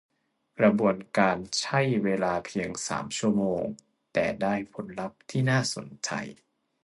กระบวนการใช่เวลาเพียง สาม ชั่วโมง แต่ได้ผลลัพธ์ที่น่าสนใจ